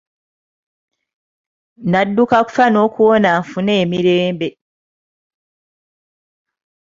Nadduka kufa n’okuwona nfune emirembe